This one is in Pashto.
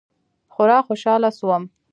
خورا خوشاله سوم.